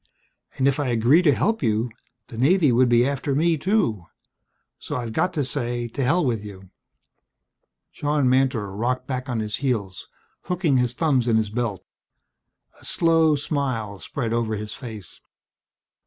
And if I were to agree to help you, the Navy would be after me, too. So I've got to say to hell with you." John Mantor rocked back on his heels, hooking his thumbs in his belt. A slow smile spread over his face.